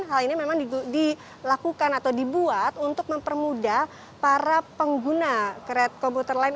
hal ini memang dilakukan atau dibuat untuk mempermudah para pengguna kereta komuter lain